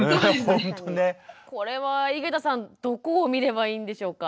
これは井桁さんどこを見ればいいんでしょうか？